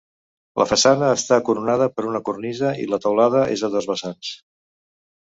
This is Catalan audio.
La façana està coronada per una cornisa i la teulada és a dos vessants.